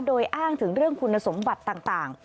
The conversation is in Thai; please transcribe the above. โดยอ้างถึงเรื่องคุณสมบัติต่าง